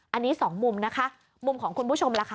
อันนี้๒มุมมุมของคุณผู้ชมแล้ว